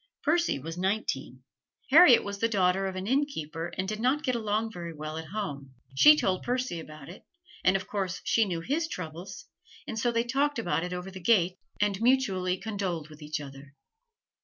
Percy was nineteen. Harriet was the daughter of an innkeeper and did not get along very well at home. She told Percy about it, and of course she knew his troubles, and so they talked about it over the gate, and mutually condoled with each other.